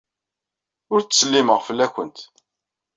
Ur d-ttsellimeɣ fell-awent.